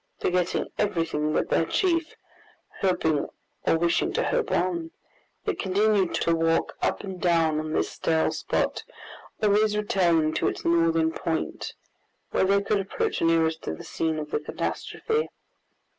Forgetting everything but their chief, hoping or wishing to hope on, they continued to walk up and down on this sterile spot, always returning to its northern point, where they could approach nearest to the scene of the catastrophe.